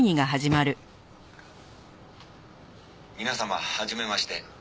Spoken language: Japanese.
「皆様はじめまして」